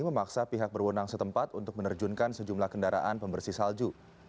memaksa pihak berwenang setempat untuk menerjunkan sejumlah kendaraan pembersih salju